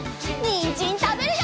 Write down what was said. にんじんたべるよ！